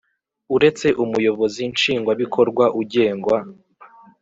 Uretse Umuyobozi Nshingwabikorwa ugengwa